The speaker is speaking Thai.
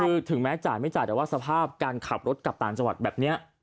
คือถึงแม้จ่ายไม่จ่ายแต่ว่าสภาพการขับรถกลับต่างจังหวัดแบบนี้